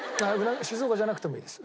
静岡じゃなくてもいいです。